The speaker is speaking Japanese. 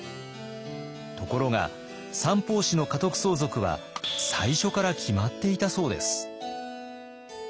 ところが三法師の家督相続は最初から決まっていたそうです。